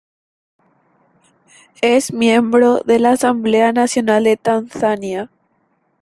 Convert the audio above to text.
Es miembro de la Asamblea Nacional de Tanzania.